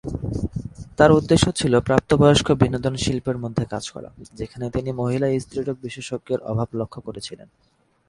তার উদ্দেশ্য ছিল প্রাপ্তবয়স্ক বিনোদন শিল্পের মধ্যে কাজ করা, যেখানে তিনি মহিলা স্ত্রীরোগ বিশেষজ্ঞের অভাব লক্ষ্য করেছিলেন।